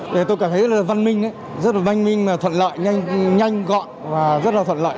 tôi cảm thấy rất là văn minh rất là văn minh mà thuận lợi nhanh gọn và rất là thuận lợi